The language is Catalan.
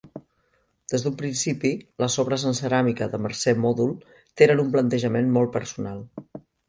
Des d’un principi les obres en ceràmica de Mercè Mòdol tenen un plantejament molt personal.